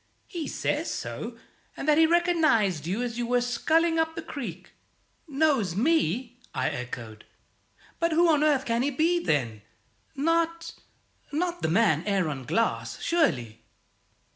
"He says so, and that he recognized you as you were sculling up the creek." "Knows me?" I echoed. "But who on earth can he be, then? Not not the man Aaron Glass, surely?"